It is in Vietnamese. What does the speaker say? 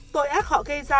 tội ác họ gây ra